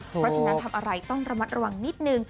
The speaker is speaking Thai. เพราะฉะนั้นทำอะไรต้องระมัดระวังนิดนึง